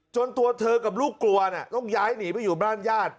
ตัวเธอกับลูกกลัวต้องย้ายหนีไปอยู่บ้านญาติ